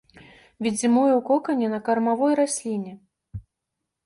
Від зімуе ў кокане на кармавой расліне.